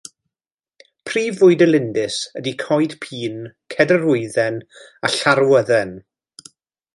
Prif fwyd y lindys ydy coed pîn, cedrwydden a llarwydden.